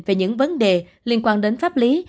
về những vấn đề liên quan đến pháp lý